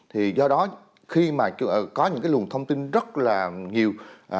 thì do đó khi mà có những cái luồng thông tin rất là nhiều